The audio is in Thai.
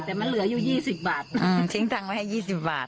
แต่มันเหลืออยู่ยี่สิบบาทอืมทิ้งตังค์ไปให้ยี่สิบบาท